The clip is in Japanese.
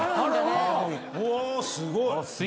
うわすごい！